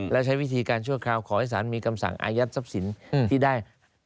และใช้วิธีการชั่วคราวขอให้สารมีคำสั่งอายัดทรัพย์สินที่ได้